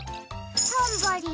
タンバリン。